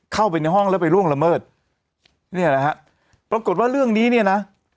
เข้าไปในห้องแล้วไปล่วงละเมิดเนี่ยนะฮะปรากฏว่าเรื่องนี้เนี่ยนะ